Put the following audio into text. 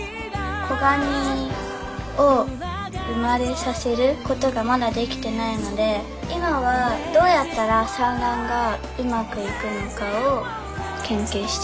子ガニを産まれさせることがまだできてないので今はどうやったら産卵がうまくいくのかを研究してます。